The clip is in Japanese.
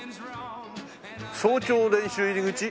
「早朝練習入口」